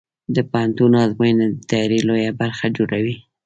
د پوهنتون ازموینې د تیاری لویه برخه جوړوي.